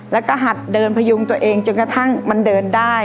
แล้วก็หัดเดินพยุงตัวเองจนกระทั่งมันเดินได้